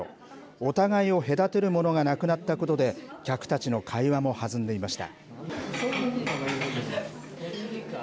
お互いを隔てるものがなくなったことで、客たちの会話もはずんでいました。